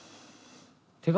手紙！？